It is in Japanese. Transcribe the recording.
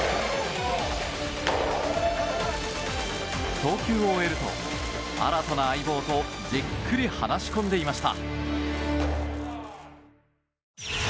投球を終えると、新たな相棒とじっくり話し込んでいました。